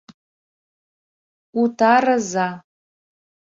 Утарыза...